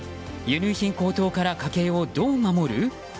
輸入品高騰から家計をどう守る？